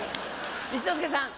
一之輔さん。